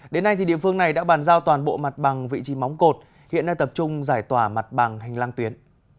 đến nay địa phương này đã bàn giao toàn bộ mặt bằng vị trí móng cột hiện nay tập trung giải tỏa mặt bằng hành lang tuyến